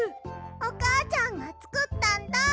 おかあちゃんがつくったんだ！